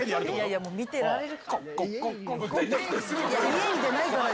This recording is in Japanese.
家入じゃないから。